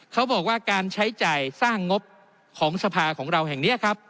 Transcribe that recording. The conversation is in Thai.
เขาบอกว่าการใช้จ่ายสร้างงบของสภาของเราแห่งนี้ครับ